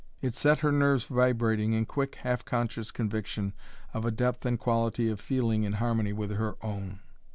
It set her nerves vibrating in quick, half conscious conviction of a depth and quality of feeling in harmony with her own.